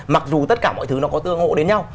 mặc dù tất cả mọi thứ nó có tương ngộ đến nhau